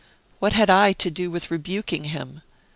What had I to do with rebuking him?